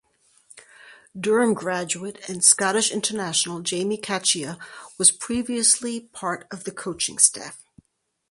Durham graduate and Scottish international Jamie Cachia was previously part of the coaching staff.